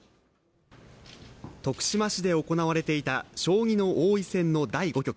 徳島市で行われていた将棋の王位戦の第５局。